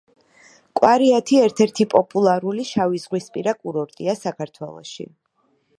კვარიათი ერთ-ერთი პოპულარული შავიზღვისპირა კურორტია საქართველოში.